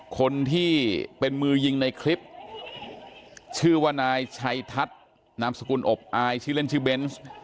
คนที่เป็นมือยิงในคลิปชื่อว่านายชัยทัศน์นามสกุลอบอายชื่อเล่นชื่อเบนส์